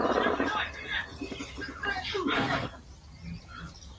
Los primeros secretarios provinciales y municipales son la principal autoridad política local.